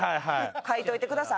書いといてください